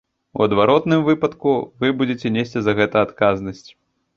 У адваротным выпадку вы будзеце несці за гэта адказнасць.